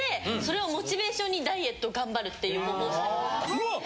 うわっ！